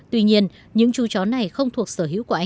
tuy nhiên những chú chó này không thuộc về công nghiệp của nga